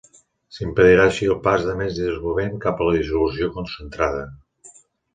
S'impedirà així el pas de més dissolvent cap a la dissolució concentrada.